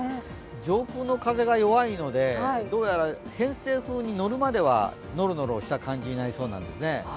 上空の風が弱いのでどうやら偏西風に乗るまではノロノロした感じになりそうなんですね。